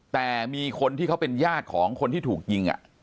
ปากกับภาคภูมิ